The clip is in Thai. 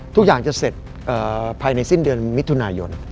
ทุกอย่างจะเสร็จภายในสิ้นเดือนมิถุนายน